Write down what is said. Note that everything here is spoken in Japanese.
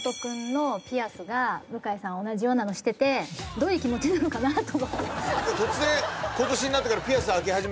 どういう気持ちなのかなと。